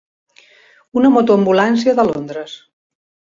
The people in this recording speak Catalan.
Una moto-ambulància de Londres.